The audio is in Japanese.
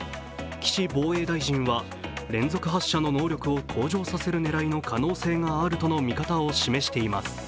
岸防衛大臣は連続発射の能力を向上させる狙いの可能性があるとの見方を示しています。